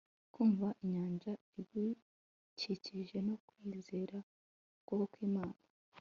kumva inyanja igukikije no kwizera ukuboko kw'imana